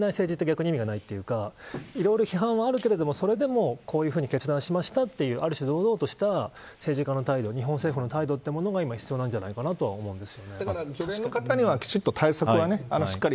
批判されない政治って逆に意味がないというかいろいろ批判はあるけどそれでも、こういうふうに決断しましたというある種、堂々とした日本政府の態度というものが今、必要なんじゃないかと思うんです。